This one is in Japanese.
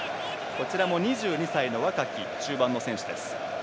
こちらも２２歳の若き中盤の選手です。